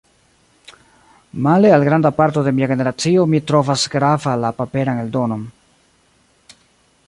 Male al granda parto de mia generacio, mi trovas grava la paperan eldonon.